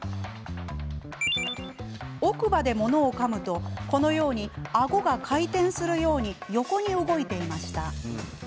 奥歯でものをかむと、このようにあごが回転するように横に動いていました。